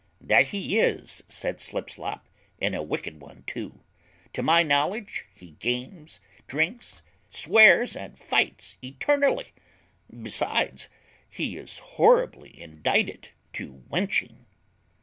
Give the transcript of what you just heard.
"That he is," said Slipslop, "and a wicked one too. To my knowledge he games, drinks, swears, and fights eternally; besides, he is horribly indicted to wenching."